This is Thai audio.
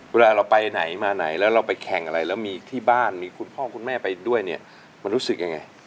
เวลาเราไปไหนมาไหนแล้วเราไปแข่งอะไรแล้วมีที่บ้านมีคุณพ่อคุณแม่ไปด้วยเนี่ยมันรู้สึกยังไง